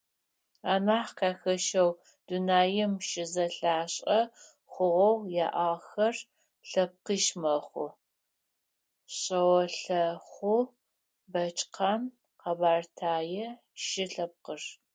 Анахь къахэщэу, дунаим щызэлъашӏэ хъугъэу яӏагъэхэр лъэпкъищ мэхъу: шъэолъэхъу, бэчкъан, къэбэртэе шы лъэпкъыр.